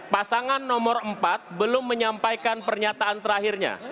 pasangan nomor empat belum menyampaikan pernyataan terakhirnya